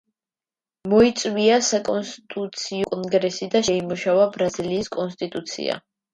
მოიწვია საკონსტიტუციო კონგრესი და შეიმუშავა ბრაზილიის კონსტიტუცია.